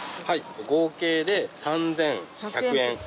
はい合計で３，１００円。